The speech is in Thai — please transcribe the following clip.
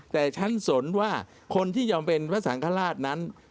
แต่ฉันสนว่าคนที่ยอมเป็นพระสังฆราชนั้น